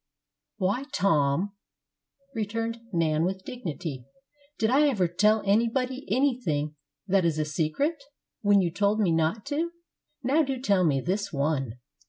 "Why, Tom," returned Nan, with dignity, "did I ever tell anybody anything that is a secret when you told me not to? Now do tell me this one."